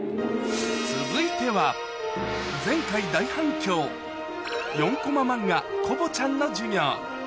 続いては４コマ漫画『コボちゃん』の授業